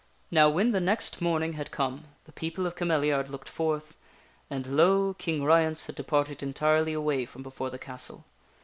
Now when the next morning had come the people of Cameliard looked forth and, lo ! King Ryence had departed entirely away from before the castle.